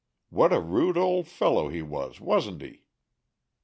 What a rude old fellow he was, wasn't he?"